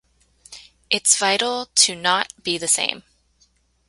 Its vital to "not" be the same.